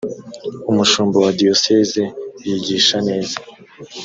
umushumba wa dioseze yigisha neza.